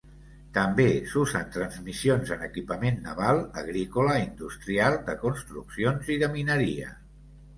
També s'usen transmissions en equipament naval, agrícola, industrial, de construccions i de mineria.